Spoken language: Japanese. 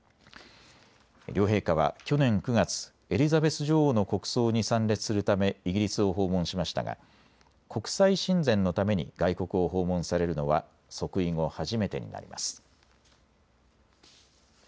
両陛下は去年９月、エリザベス女王の国葬に参列するためイギリスを訪問しましたが国際親善のために外国を訪問されるのは即位後初めてになります。